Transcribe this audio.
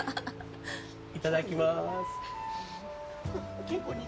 いただきまーす。